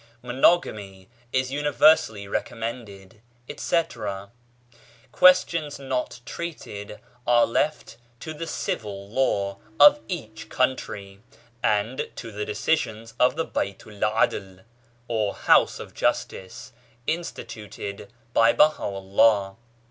Monogamy is universally recommended, etc. Questions not treated of are left to the civil law of each country, and to the decisions of the Bait 7 Adi , or House of Justice, instituted by Baha'u'llah.